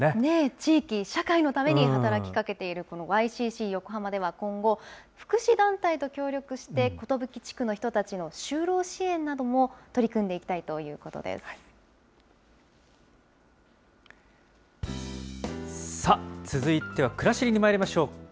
地域、社会のために働きかけているこのＹＳＣＣ横浜では今後、福祉団体と協力して寿地区の人たちの就労支援なども取り組んでいさあ、続いてはくらしりにまいりましょうか。